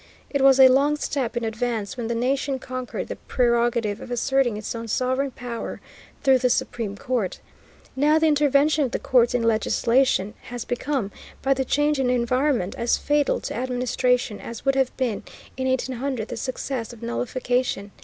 It was a long step in advance when the nation conquered the prerogative of asserting its own sovereign power through the Supreme Court. Now the intervention of the courts in legislation has become, by the change in environment, as fatal to administration as would have been, in 1800, the success of nullification.